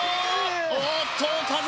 おっと岡澤